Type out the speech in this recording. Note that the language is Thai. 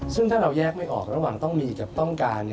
ซึ่งถ้าเราแยกไม่ออกระหว่างต้องมีกับต้องการ